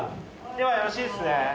ではよろしいですね。